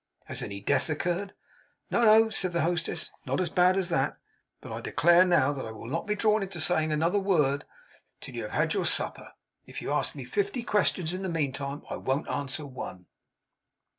Has any death occurred?' 'No, no!' said the hostess. 'Not as bad as that. But I declare now that I will not be drawn into saying another word till you have had your supper. If you ask me fifty questions in the meantime, I won't answer one.